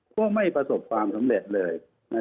ก็ไม่ประสบความสำเร็จเลย